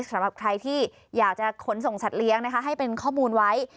สำหรับใครที่อยากจะขนส่งสัตว์เลี้ยงนะคะให้เป็นข้อมูลไว้